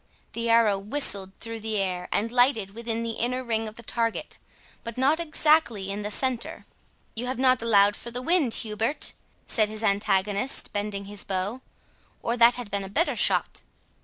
The arrow whistled through the air, and lighted within the inner ring of the target, but not exactly in the centre. "You have not allowed for the wind, Hubert," said his antagonist, bending his bow, "or that had been a better shot."